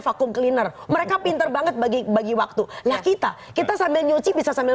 vakum cleaner mereka pinter banget bagi bagi waktu nah kita kita sambil nyuci bisa sambil